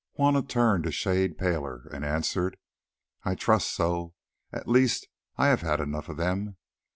Juanna turned a shade paler, and answered: "I trust so. At least I have had enough of them.